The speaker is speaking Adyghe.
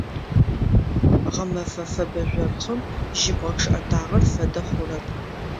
Гъэмэфэ фэбэ жъоркъым жьыбгъэ чъыӏэтагъэр фэдэ хъурэп.